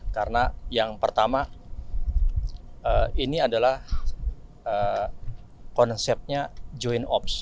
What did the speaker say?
karena yang pertama ini adalah konsepnya joint ops